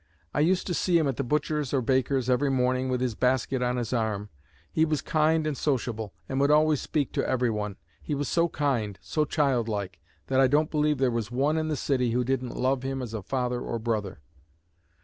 I used to see him at the butcher's or baker's every morning, with his basket on his arm. He was kind and sociable, and would always speak to everyone. He was so kind, so childlike, that I don't believe there was one in the city who didn't love him as a father or brother."